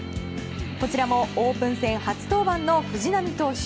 こちらもオープン戦初登板の藤浪投手。